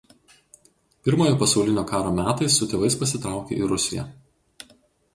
Pirmojo pasaulinio karo metais su tėvais pasitraukė į Rusiją.